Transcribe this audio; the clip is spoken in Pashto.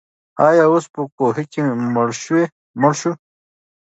آیا آس په کوهي کې مړ شو؟